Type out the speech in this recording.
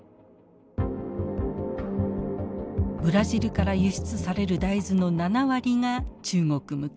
ブラジルから輸出される大豆の７割が中国向け。